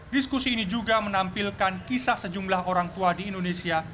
diskusi ini juga menampilkan kisah sejumlah orang tua di indonesia